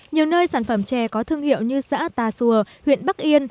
nhiều nơi sản phẩm chè có thương hiệu như xã tà xùa huyện bắc yên